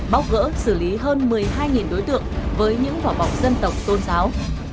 bóc gỡ xử lý hơn một mươi hai đối tượng với những vỏ bọc dân tộc tôn giáo